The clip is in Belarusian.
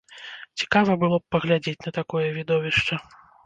Цікава было б паглядзець на такое відовішча!